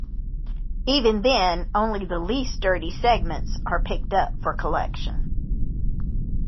Even then, only the least-dirty segments are picked for collection.